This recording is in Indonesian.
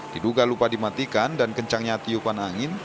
diduga lupa dimatikan dan kencangnya tiupan angin